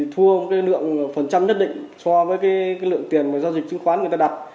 thua một lượng phần trăm nhất định so với lượng tiền giao dịch chứng khoán người ta đặt